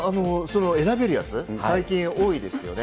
選べるやつ、最近、多いですよね。